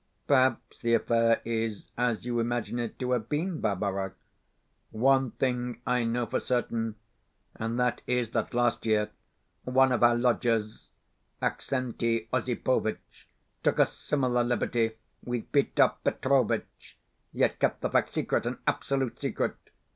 Perhaps the affair is as you imagine it to have been, Barbara? One thing I know for certain, and that is that last year one of our lodgers, Aksenti Osipovitch, took a similar liberty with Peter Petrovitch, yet kept the fact secret, an absolute secret.